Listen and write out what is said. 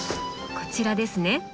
こちらですね。